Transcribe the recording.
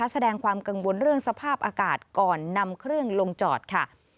แสดงความกังวลเรื่องสภาพอากาศก่อนนำเครื่องลงจอดค่ะ